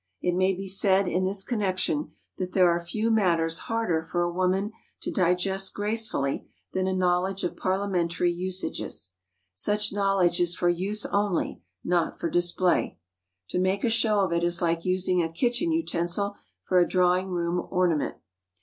It may be said in this connection that there are few matters harder for a woman to digest gracefully than a knowledge of parliamentary usages. Such knowledge is for use only, not for display. To make a show of it is like using a kitchen utensil for a drawing room ornament.